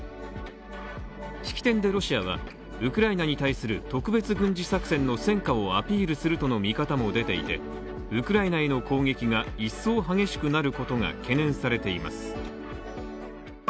式典でロシアはウクライナに対する特別軍事作戦の戦果をアピールするとの見方も出ていて、ウクライナへの攻撃が一層激しくなることが懸念されています。